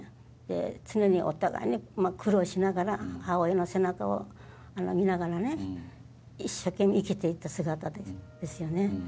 常にお互いに苦労しながら母親の背中を見ながらね一生懸命生きていった姿ですよね。